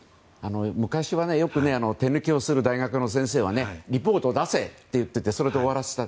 昔はよく手抜きをする大学の先生はレポートを出せそれで終わらせた。